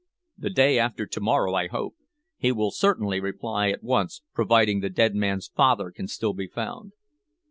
"The day after to morrow, I hope. He will certainly reply at once, providing the dead man's father can still be found."